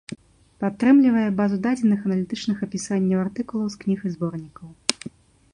Падтрымлівае базу дадзеных аналітычных апісанняў артыкулаў з кніг і зборнікаў.